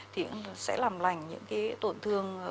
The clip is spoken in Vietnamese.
thì sẽ làm lành những cái tổn thương